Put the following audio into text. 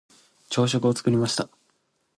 朝食を作りました。